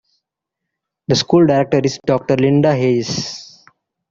The School Director is Doctor Lynda Hayes.